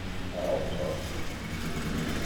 Ɛuqqer.